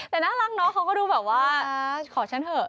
แต่น่ารักเนาะเขาก็ดูแบบว่าขอฉันเถอะ